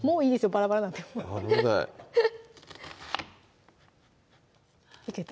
バラバラなっても危ないいけた